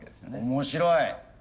面白い。